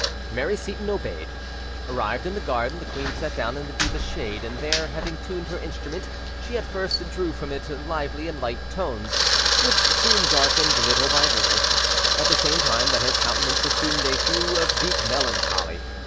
Mary Seyton obeyed. Arrived in the garden, the queen sat down in the deepest shade, and there, having tuned her instrument, she at first drew from it lively and light tones, which soon darkened little by little, at the same time that her countenance assumed a hue of deep melancholy.